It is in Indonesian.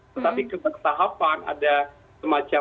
tetapi kebetulan ada semacam